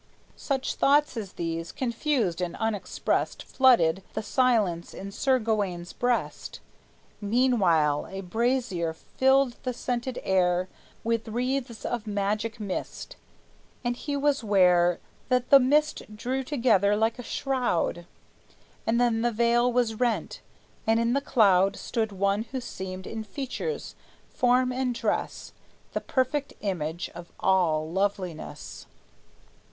Such thoughts as these, confused and unexpressed, Flooded the silence in Sir Gawayne's breast. Meanwhile a brasier filled the scented air With wreaths of magic mist, and he was ware That the mist drew together like a shroud; And then the veil was rent, and in the cloud Stood one who seemed, in features, form, and dress, The perfect image of all loveliness.